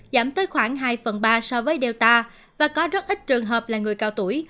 giảm tới khoảng hai phần ba so với delta và có rất ít trường hợp là người cao tuổi